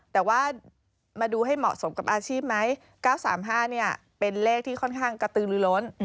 แต่ว่ามาดูให้เหมาะสมกับอาชีพไหม๙๓๕เป็นเลขที่ค่อนข้างกระตือลือล้น